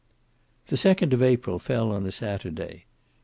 The second of April fell on a Saturday.